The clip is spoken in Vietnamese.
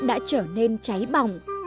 đã trở nên cháy bỏng